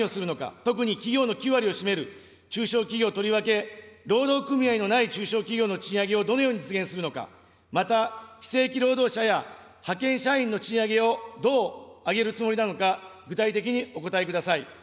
特に企業の９割を占める、中小企業、とりわけ労働組合のない中小企業の賃上げをどのように実現するのか、また、非正規労働者や派遣社員の賃上げをどう上げるつもりなのか、具体的にお答えください。